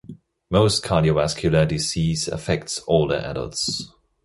Most cardiovascular disease affects older adults.